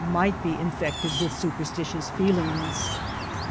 IM be infected with superstitious feelings.